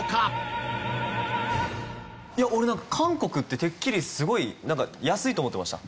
俺韓国っててっきりすごい安いと思ってました。